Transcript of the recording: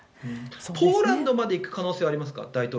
ポーランドまで行く可能性がありますか。